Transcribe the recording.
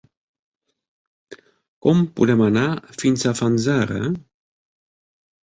Com podem anar fins a Fanzara?